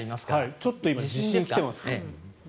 ちょっと今地震が来ていますかね。